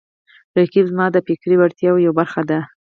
رقیب زما د فکري وړتیاو یوه برخه ده